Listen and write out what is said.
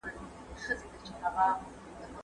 تېرو استادانو د میتودولوژي اصول په پوره دقت وټاکل.